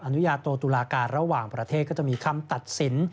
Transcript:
อนุญาโตตุลาการระหว่างประเทศก็จะมีคำตัดสิน